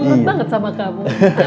itu al luar banget sama kamu